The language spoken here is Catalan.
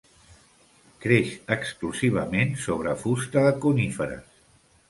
Creix exclusivament sobre fusta de coníferes.